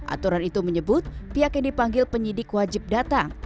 aturan itu menyebut pihak yang dipanggil penyidik wajib datang